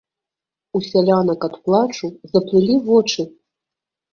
У сялянак ад плачу заплылі вочы.